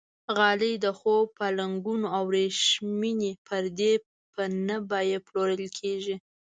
غالۍ، د خوب پالنګونه او وریښمینې پردې په نه بیه پلورل کېږي.